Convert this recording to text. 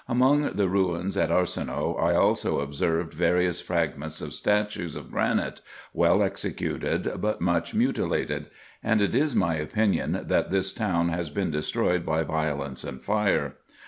Among the ruins at Arsinoe I also observed various fragments of statues of granite, well executed, but much mutilated ; and it is my opinion, that this town has been destroyed by violence and fire.